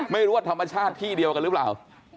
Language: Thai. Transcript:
ไม่รู้ว่าธรรมชาติที่เดียวกันหรือเปล่า